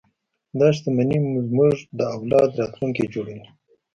دا شتمنۍ زموږ د اولاد راتلونکی جوړوي.